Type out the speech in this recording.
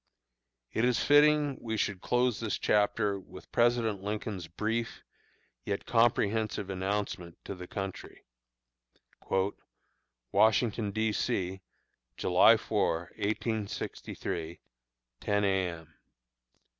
It is fitting we should close this chapter with President Lincoln's brief yet comprehensive announcement to the country: WASHINGTON, D. C., July 4, 1863, 10 A. M.